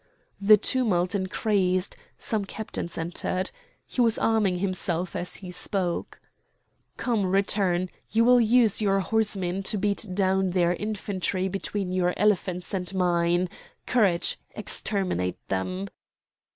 The tumult increased; some captains entered. He was arming himself as he spoke. "Come, return! You will use your horsemen to beat down their infantry between your elephants and mine. Courage! exterminate them!"